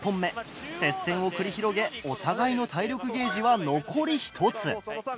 接戦を繰り広げお互いの体力ゲージは残り１つ。